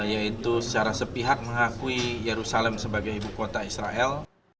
yaitu secara sepihak mengakui yerusalem sebagai ibu kota israel